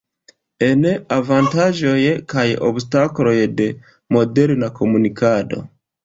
En: Avantaĝoj kaj obstakloj de moderna komunikado.